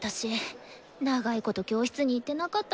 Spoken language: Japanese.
長いこと教室に行ってなかったからかなぁ？